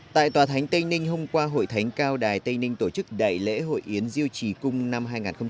tại tòa thánh tây ninh hôm qua hội thánh cao đài tây ninh tổ chức đại lễ hội yến diêu trì cung năm hai nghìn hai mươi